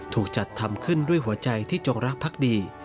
ถูกจัดทำขึ้นด้วยหัวใจที่จงรักภักดี